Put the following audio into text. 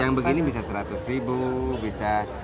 yang begini bisa seratus ribu bisa